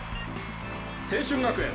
青春学園